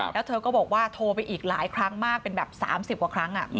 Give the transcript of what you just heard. แล้วเธอก็บอกว่าโทรไปอีกหลายครั้งมากเป็นแบบ๓๐กว่าครั้ง